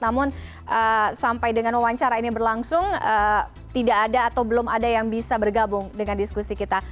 namun sampai dengan wawancara ini berlangsung tidak ada atau belum ada yang bisa bergabung dengan diskusi kita